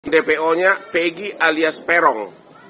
dpo nya pegi alias peron